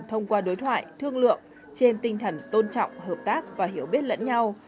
thông qua đối thoại thương lượng trên tinh thần tôn trọng hợp tác và hiểu biết lẫn nhau